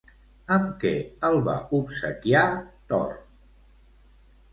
Amb què el va obsequiar Thor?